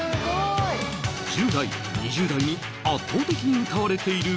１０代２０代に圧倒的に歌われているこの曲